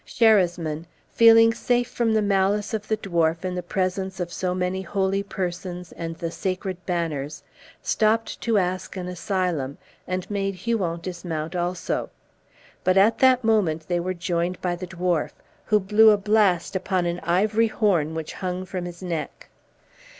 Sherasmin, feeling safe from the malice of the dwarf in the presence of so many holy persons and the sacred banners, stopped to ask an asylum, and made Huon dismount also. But at that moment they were joined by the dwarf, who blew a blast upon an ivory horn which hung from his neck.